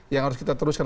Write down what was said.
yang harus kita teruskan